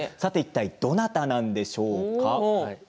どなたなんでしょうか。